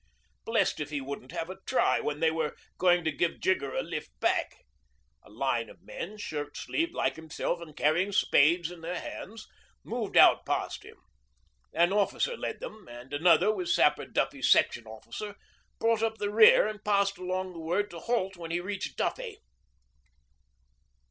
Blest if he wouldn't have a try when they were going to give Jigger a lift back. A line of men, shirt sleeved like himself and carrying spades in their hands, moved out past him. An officer led them, and another with Sapper Duffy's section officer brought up the rear, and passed along the word to halt when he reached Daffy.